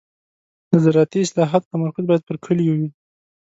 د زراعتي اصلاحاتو تمرکز باید پر کليو وي.